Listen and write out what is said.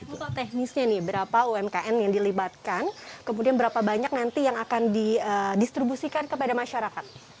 itu teknisnya nih berapa umkm yang dilibatkan kemudian berapa banyak nanti yang akan didistribusikan kepada masyarakat